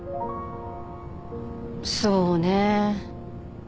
そうね。